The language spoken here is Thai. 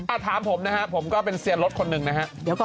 ต้องถามผมนะครับผมก็เป็นเซียร์รถคนหนึ่งนะฮะ